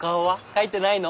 描いてないの？